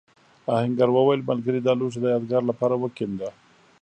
آهنګر وویل ملګري دا لوښی د یادگار لپاره وکېنده.